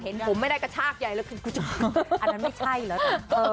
เห็นผมไม่ได้กระชากอ้างนั้นไม่ใช่แล้วด้วย